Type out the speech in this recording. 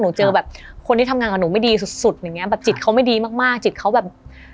ดูในห้องพระวันที่หนูเจอแบบคนที่ทำงานกับหนูไม่ดีสุดแบบจิตเขาไม่ดีมากจิตเขาแบบ